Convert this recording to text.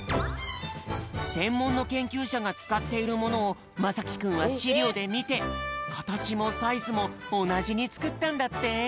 せんもんのけんきゅうしゃがつかっているものをまさきくんはしりょうでみてかたちもサイズもおなじにつくったんだって！